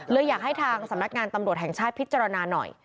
อยากให้ทางสำนักงานตำรวจแห่งชาติพิจารณาหน่อย